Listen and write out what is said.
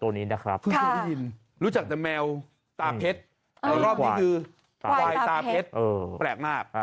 รู้จักแต่แมวตาเพชรแต่รอบนี้คือวายตาเพชรแปลกมาก